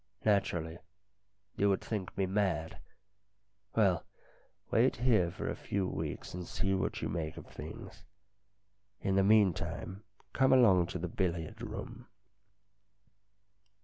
" Naturally. You would think me mad. Well, wait here for a few weeks, and see what you make of things. In the meantime, come along to the billiard room."